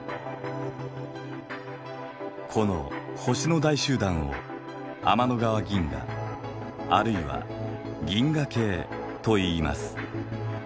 この星の大集団を天の川銀河あるいは銀河系といいます。